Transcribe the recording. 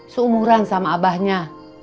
seumuran sama abahnya